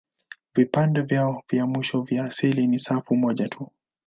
Vipande vyao vya mwisho vya seli ni safu moja tu.